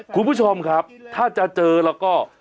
คุณผู้ชมครับถ้าจะเจอแล้วก็